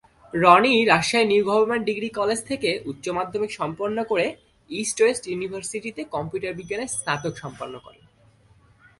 Roni Rajshahi New Government Degree College থেকে উচ্চ মাধ্যমিক সম্পন্ন করে ইস্ট ওয়েস্ট ইউনিভার্সিটিতে কম্পিউটার বিজ্ঞানে স্নাতক সম্পন্ন করেন।